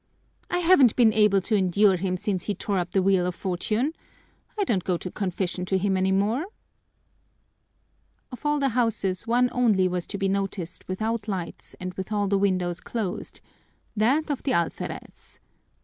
"I haven't been able to endure him since he tore up the Wheel of Fortune. I don't go to confession to him any more." Of all the houses one only was to be noticed without lights and with all the windows closed that of the alferez.